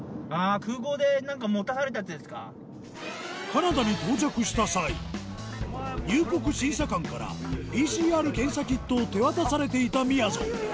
カナダに到着した際入国審査官からＰＣＲ検査キットを手渡されていたみやぞん